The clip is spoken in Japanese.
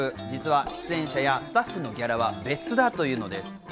実は出演者やスタッフのギャラは別だというのです。